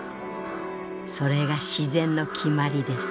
それが自然の決まりです」。